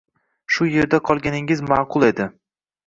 Shu erda qolganingiz ma`qul edi